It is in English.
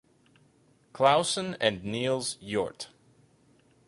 Clausen and Niels Hjort.